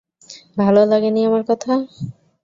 ভালো লাগেনি আমার কথা?